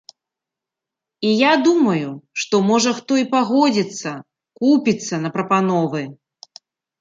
І я думаю, што, можа, хто і пагодзіцца, купіцца на прапановы.